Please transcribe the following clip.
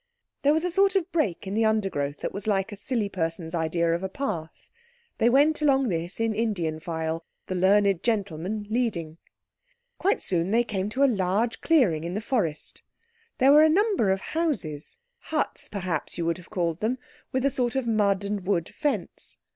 There was a sort of break in the undergrowth that was like a silly person's idea of a path. They went along this in Indian file, the learned gentleman leading. Quite soon they came to a large clearing in the forest. There were a number of houses—huts perhaps you would have called them—with a sort of mud and wood fence.